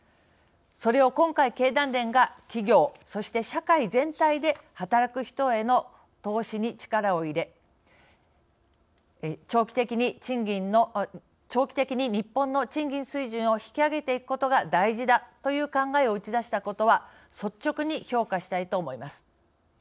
それを今回、経団連が企業、そして社会全体で働く人への投資に力を入れ長期的に日本の賃金水準を引き上げていくことが大事だという考えを打ち出したことは率直に評価したいと思います。